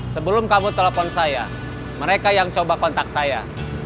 sebelum kamu telepon saya mereka yang coba kontak saya